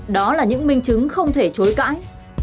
đó là những minh chứng không thể chối cãi